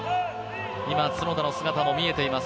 今、角田の姿も見えています。